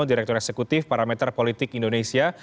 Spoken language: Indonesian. direktur eksekutif parameter politik indonesia